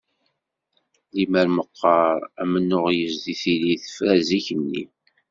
Limmer meqqar amennuɣ yezdi tili tefra zik-nni.